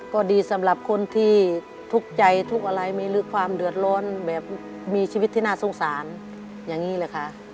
ก็ดีสำหรับคนที่ทุกข์ใจทุกข์อะไรมีลึกความเดือดร้อนแบบมีชีวิตที่น่าสงสารอย่างนี้แหละค่ะ